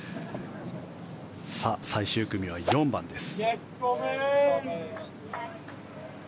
さあ、最終組は４番です。